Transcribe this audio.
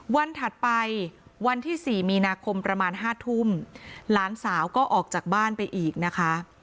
ถัดไปวันที่สี่มีนาคมประมาณห้าทุ่มหลานสาวก็ออกจากบ้านไปอีกนะคะ